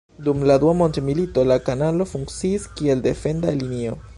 Dum la dua mondmilito la kanalo funkciis kiel defenda linio.